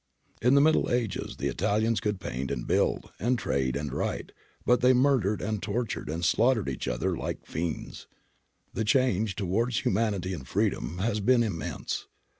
In the Middle Ages the Italians could paint and build, and trade and write, but they murdered and tortured and slaughtered each other like fiends. The change towards humanity and freedom has been im mense.